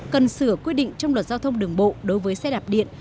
cần sửa quy định trong luật giao thông đường bộ đối với xe đạp điện